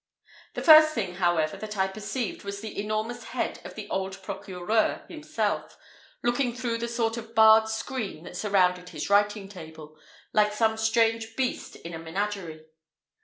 The first thing, however, that I perceived was the enormous head of the old procureur himself, looking through the sort of barred screen that surrounded his writing table, like some strange beast in a menagerie.